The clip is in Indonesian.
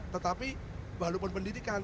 tetapi walaupun pendidikan